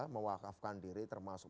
mewakafkan diri termasuk